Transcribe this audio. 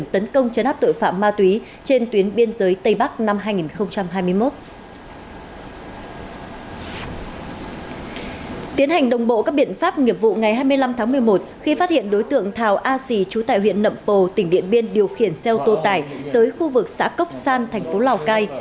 hai mươi năm tháng một mươi một khi phát hiện đối tượng thảo a xì trú tại huyện nậm pồ tỉnh điện biên điều khiển xeo tô tải tới khu vực xã cốc san thành phố lào cai